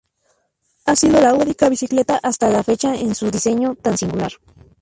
Ha sido la única bicicleta hasta la fecha con un diseño tan singular.